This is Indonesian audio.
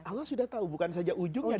allah sudah tahu bukan saja ujungnya